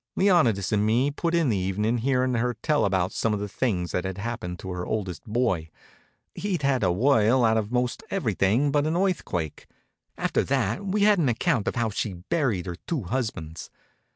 Leonidas and me put in the evening hearin' her tell about some of the things that had happened to her oldest boy. He'd had a whirl out of most everything but an earthquake. After that we had an account of how she'd buried her two husbands.